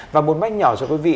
và một mách nhỏ cho quý vị